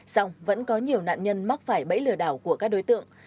xong vẫn có nhiều nạn nhân mắc phải bẫy lừa đảo của các đối tượng